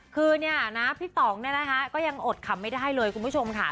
คือเนี่ยนะพี่ตองก็ยังอดคำไม่ได้ให้เลยคุณผู้ชมค่ะ